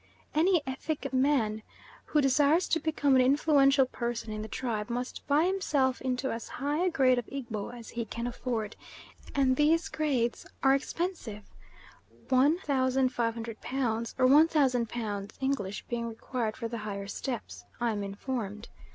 Any Effik man who desires to become an influential person in the tribe must buy himself into as high a grade of Egbo as he can afford, and these grades are expensive, 1,500 pounds or 1,000 pounds English being required for the higher steps, I am informed.